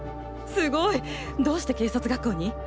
すごい。どうして警察学校に？